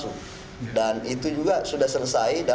karena hari itu juga kita mengukur dua belas anak penyandang disabilitas